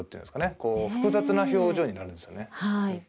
こう複雑な表情になるんですよね。